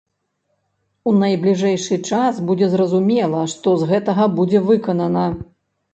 У найбліжэйшы час будзе зразумела, што з гэтага будзе выканана.